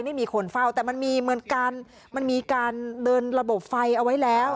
ไม่มีคนเฝ้าแต่มันมีเหมือนกันมันมีการเดินระบบไฟเอาไว้แล้ว